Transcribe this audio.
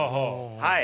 はい。